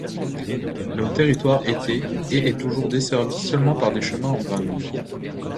Le territoire était et est toujours desservi seulement par des chemins en gravier.